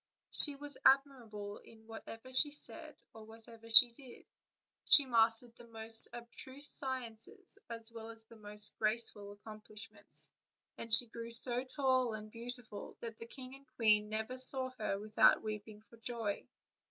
She was admirable in whatever she said or whatever she did; she mastered the most abstruse sciences as well as the most graceful accomplishments, and she grew so tall and beautiful that the king and queen never saw her without weeping for joy.